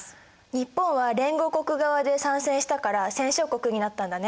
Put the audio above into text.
日本は連合国側で参戦したから戦勝国になったんだね。